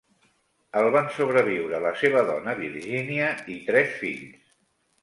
El van sobreviure la seva dona, Virginia, i tres fills.